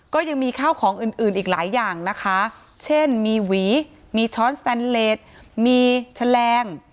ก็ยังมีข้าวของอื่นอื่นอีกหลายอย่างนะคะเช่นมีหวีมีช้อนสแตนเลสมีแฉลง